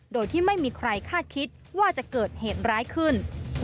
โดยที่ไม่มีใครคาดคิดว่าจะเกิดเหตุร้ายขึ้น